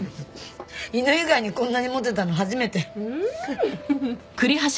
犬以外にこんなにモテたの初めて。